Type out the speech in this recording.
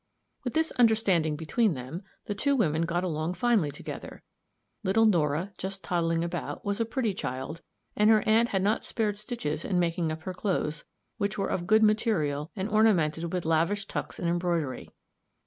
With this understanding between them, the two women got along finely together; little Nora, just toddling about, was a pretty child, and her aunt had not spared stitches in making up her clothes, which were of good material, and ornamented with lavish tucks and embroidery.